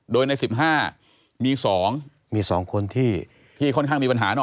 โดยในสิบห้ามีสองมีสองคนที่ที่ค่อนข้างมีปัญหาหน่อย